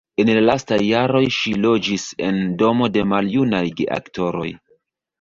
En la lastaj jaroj ŝi loĝis en domo de maljunaj geaktoroj.